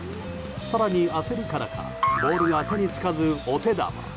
更に焦りからかボールが手につかず、お手玉。